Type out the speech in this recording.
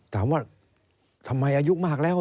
ถามว่าทำไมอายุมากแล้ว